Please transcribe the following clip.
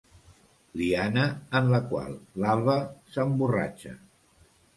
Liana en la qual l'Alba s'emborratxa.